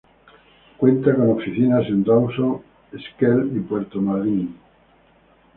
Cuenta con oficinas en Rawson, Esquel y Puerto Madryn.